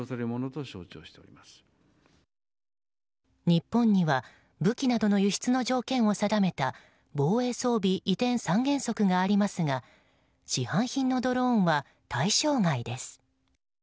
日本には武器などの輸出の条件を定めた防衛装備移転三原則がありますが市販品のドローンは対象外です。